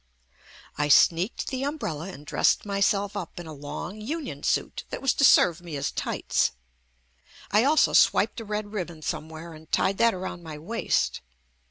I sneaked the umbrella and dressed myself up in a long union suit that was to serve me as tights. I also swiped a red ribbon somewhere and tied that around my waist.